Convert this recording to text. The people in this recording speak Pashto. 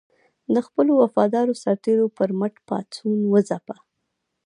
د خپلو وفادارو سرتېرو پر مټ پاڅون وځپه.